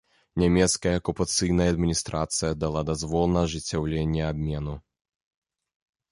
Нямецкая акупацыйная адміністрацыя дала дазвол на ажыццяўленне абмену.